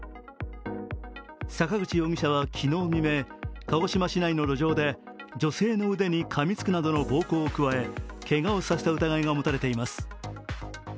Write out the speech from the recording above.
坂口容疑者は昨日未明、鹿児島市内の路上で女性の腕にかみつくなどの暴行を加えけがをさせた疑いが持たれています。